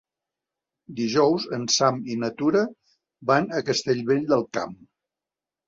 Dijous en Sam i na Tura van a Castellvell del Camp.